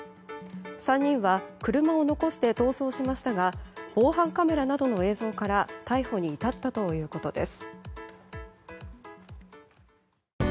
３人は車を残して逃走しましたが防犯カメラなどの映像から逮捕に至ったということです。